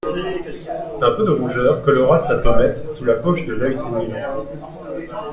Un peu de rougeur colora sa pommette sous la poche de l'œil sénile.